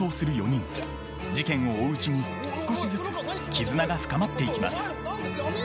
事件を追ううちに少しずつ絆が深まっていきます。